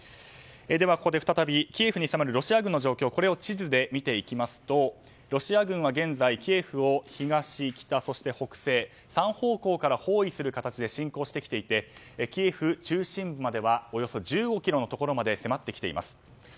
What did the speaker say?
では、ここで再びキエフに迫るロシア軍の状況地図で見ていきますとロシア軍は現在キエフを東、北、そして北西３方向から包囲する形で侵攻してきていてキエフ中心部まではおよそ１５ｋｍのところまで迫ってきています。